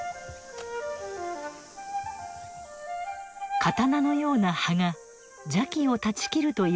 刀のような葉が邪気を断ち切るといわれるチガヤ。